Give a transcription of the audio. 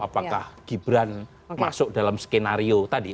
apakah gibran masuk dalam skenario tadi